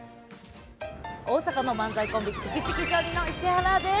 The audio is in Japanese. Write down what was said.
大阪の漫才コンビチキチキジョニーの石原です。